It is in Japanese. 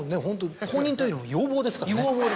公認というよりも要望ですからね。